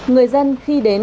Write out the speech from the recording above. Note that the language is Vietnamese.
người dân khi đến